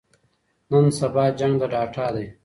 نن سبا جنګ د ډاټا دی.